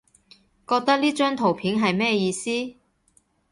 覺得呢張圖片係咩意思？